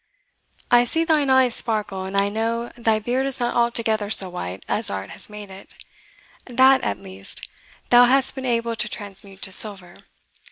I see thine eye sparkle, and I know thy beard is not altogether so white as art has made it THAT, at least, thou hast been able to transmute to silver.